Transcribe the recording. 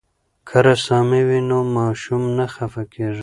که رسامي وي نو ماشوم نه خفه کیږي.